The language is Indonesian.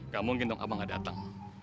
gak mungkin dong apa gak dateng